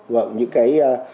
vào những cái